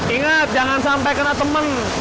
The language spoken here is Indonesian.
ingat jangan sampai kena temen